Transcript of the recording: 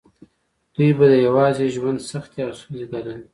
دوی به د یوازې ژوند سختې او ستونزې ګاللې.